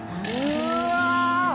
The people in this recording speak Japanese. うわ！